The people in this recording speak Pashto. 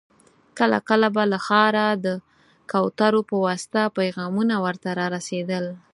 کله کله به له ښاره د کوترو په واسطه پيغامونه ور ته را رسېدل.